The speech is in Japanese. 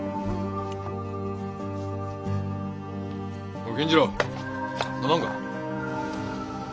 おい錦次郎飲まんか。